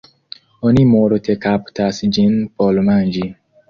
Oni multe kaptas ĝin por manĝi.